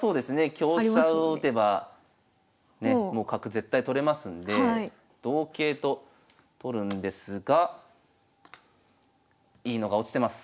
香車を打てばねもう角絶対取れますんで同桂と取るんですがいいのが落ちてます。